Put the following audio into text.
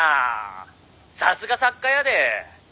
「さすが作家やで」